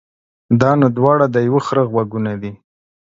دا نو دواړه د يوه خره غوږونه دي.